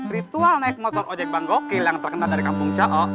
ritual naik motor ojek bang gokil yang terkenal dari kampung cao